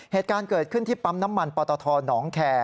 เหตุการณ์เกิดขึ้นที่ปั๊มน้ำมันปตทหนองแคร์